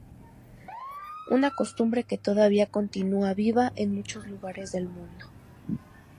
Una costumbre que todavía continúa viva en muchos lugares del mundo.